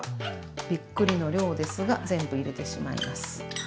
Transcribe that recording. びっくりの量ですが全部入れてしまいます。